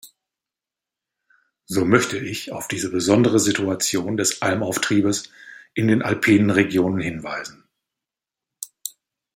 So möchte ich auf diese besondere Situation des Almauftriebes in den alpinen Regionen hinweisen.